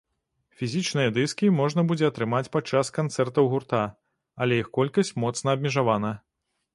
Фізічныя дыскі можна будзе атрымаць падчас канцэртаў гурта, але іх колькасць моцна абмежавана.